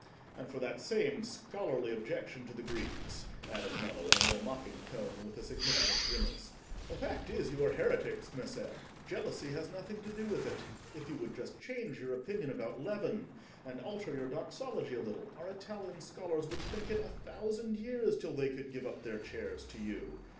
And for that same scholarly objection to the Greeks," added Nello, in a more mocking tone, and with a significant grimace, "the fact is, you are heretics, Messer; jealousy has nothing to do with it: if you would just change your opinion about leaven, and alter your Doxology a little, our Italian scholars would think it a thousand years till they could give up their chairs to you.